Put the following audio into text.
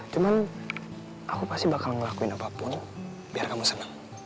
cuman aku pasti bakal ngelakuin apapun biar kamu senang